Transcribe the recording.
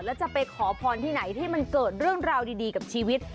แล้วจะไปขอพรที่ไหนที่มันเกิดเรื่องราวดีกับชีวิต